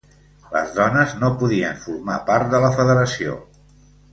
Les dones no podien formar part de la Federació.